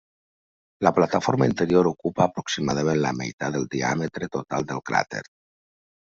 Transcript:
La plataforma interior ocupa aproximadament la meitat del diàmetre total del cràter.